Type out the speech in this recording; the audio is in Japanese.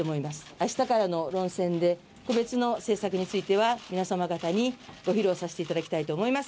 明日からの論戦で個別の政策については皆様方に、ご披露させていただきたいと思います。